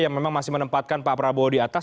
yang memang masih menempatkan pak prabowo di atas